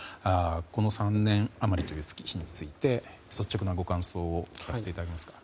この３年余りという月日について率直なご感想を聞かせていただけますか。